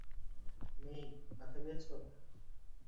মেই, ব্যথা পেয়েছ?